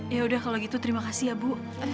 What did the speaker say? ya udah kalau gitu terima kasih ya bu